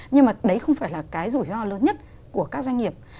nhưng mà đấy không phải là cái rủi ro lớn nhất của các doanh nghiệp